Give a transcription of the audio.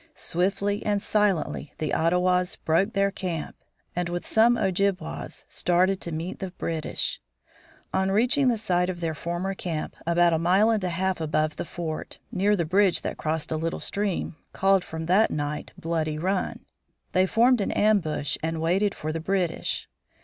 Swiftly and silently the Ottawas broke their camp, and with some Ojibwas started to meet the British. On reaching the site of their former camp, about a mile and a half above the fort, near the bridge that crossed a little stream, called from that night Bloody Run, they formed an ambush and waited for the British.